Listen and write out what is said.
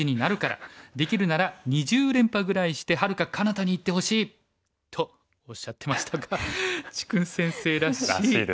できるなら２０連覇ぐらいしてはるかかなたに行ってほしい」とおっしゃってましたが治勲先生らしい。